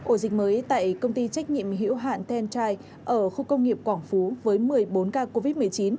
ổ dịch mới tại công ty trách nhiệm hiểu hạn tentide ở khu công nghiệp quảng phú với một mươi bốn ca covid một mươi chín